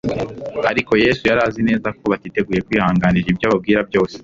Ariko Yesu yari azi neza ko batiteguye kwihanganira ibyo ababwira byose.